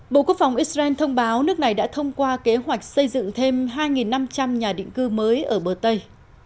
bộ quốc phòng israel thông báo nước này đã thông qua kế hoạch xây dựng thêm hai năm trăm linh nhà định cư mới ở bờ tây